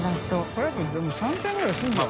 海やっぱ３０００円ぐらいするんじゃん？